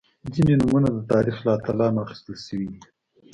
• ځینې نومونه د تاریخ له اتلانو اخیستل شوي دي.